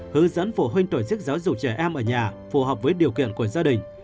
hướng dẫn phụ huynh tổ chức giáo dục trẻ em ở nhà phù hợp với điều kiện của gia đình